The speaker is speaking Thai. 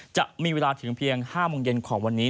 จะมีเวลาถึงเพียง๕โมงเย็นของวันนี้